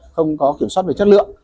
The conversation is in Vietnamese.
không có kiểm soát về chất lượng